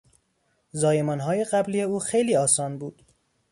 زایمانهای قبلی او خیلی آسان بود.